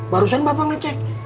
barusan bapak ngecek